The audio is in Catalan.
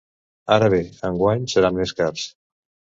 Ara bé, enguany seran més cars.